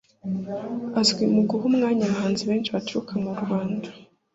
Azwi mu guha umwanya abahanzi benshi baturuka mu Rwanda